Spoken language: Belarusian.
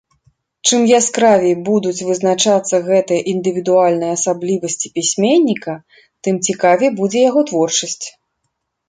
Чым яскравей будуць вызначацца гэтыя індывідуальныя асаблівасці пісьменніка, тым цікавей будзе яго творчасць.